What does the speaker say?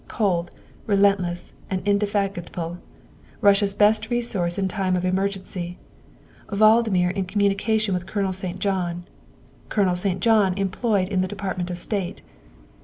Cold, relentless, and indefatigable, Russia's best resource in time of emer gency. Valdmir in communication with Colonel St. John; Colonel St. John employed in the Department of State.